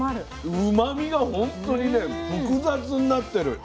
うまみがほんとにね複雑になってる。